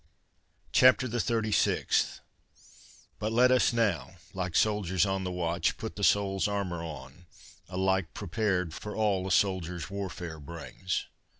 CHAPTER THE THIRTY SIXTH. But let us now, like soldiers on the watch, Put the soul's armour on, alike prepared For all a soldier's warfare brings.